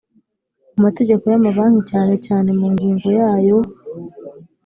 Mu mategeko Y’amabanki cyane cyane mu ngingo yayo.